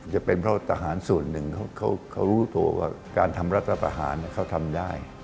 จะเป็นเพราะทหารส่วนหนึ่งเขารู้ตัวว่าการทำรัฐประหารเขาทำได้